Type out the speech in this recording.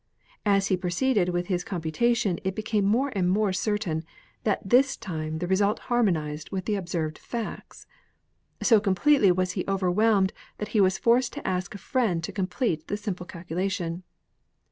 As he proceeded with his com putation it became more and more certain that this time the result harmonized with the observed facts. So com pletely was he overwhelmed that he was forced to ask a friend to complete the simple calculation.